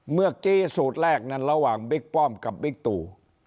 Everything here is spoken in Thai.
เมื่อกี้สูตรแรกนั้นระหว่างบิ๊กป้อมกับบิ๊กตู